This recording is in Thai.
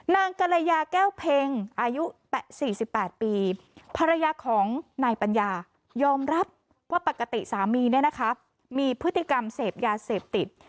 นางกรยาแก้วเพ็งอายุ๔๘ปีภรรยาของนายปัญญายอมรับว่าปกติสามีเนี่ยนะคะมีพฤติกรรมเสพยาเสพติด